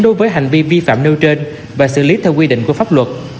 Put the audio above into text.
đối với hành vi vi phạm nêu trên và xử lý theo quy định của pháp luật